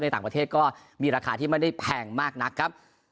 ต่างประเทศก็มีราคาที่ไม่ได้แพงมากนักครับ